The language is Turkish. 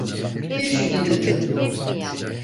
Kes şunu dedim!